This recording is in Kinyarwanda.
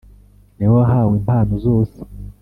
niwe wahawe impano zose